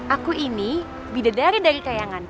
aku ini bidadari dari kayangan